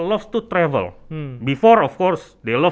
sebelumnya tentu saja mereka suka berjalan